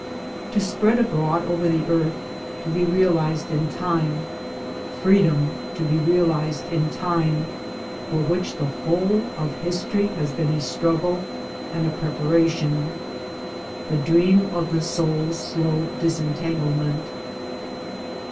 To spread abroad over the earth, to be realised in time: Freedom to be realised in time, for which the whole of History has been a struggle and a preparation : The dream of the soul's slow disentanglement.